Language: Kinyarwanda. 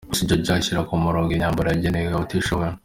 Miss Jojo ashyira ku murongo imyambaro yagenewe abatishoboye.